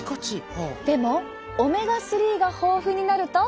でもオメガ３が豊富になると。